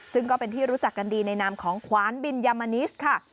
ซึ่งก็เป็นที่รู้จักกันดีในนามของขวานบินยามานิสค่ะ